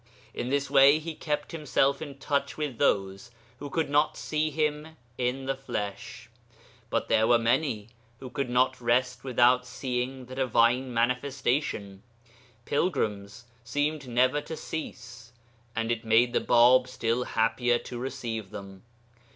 In this way he kept himself in touch with those who could not see him in the flesh. But there were many who could not rest without seeing the divine Manifestation. Pilgrims seemed never to cease; and it made the Bāb still happier to receive them.